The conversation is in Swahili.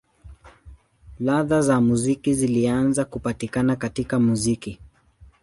Ladha za muziki zilianza kupatikana katika muziki.